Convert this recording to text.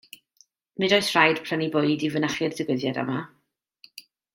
Nid oes rhaid prynu bwyd i fynychu'r digwyddiad yma